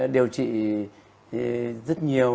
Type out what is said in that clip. điều trị rất nhiều